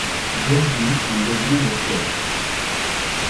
Derby en devient le siège.